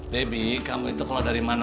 debbie kamu itu kalau dari mana